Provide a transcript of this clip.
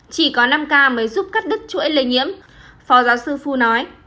chỉ có năm k mới giúp cắt đứt chuỗi lây nhiễm phò giáo sư phu nói